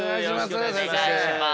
お願いします。